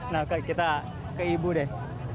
nah kita ke ibu deh